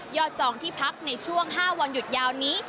จองที่พักในช่วง๕วันหยุดยาวนี้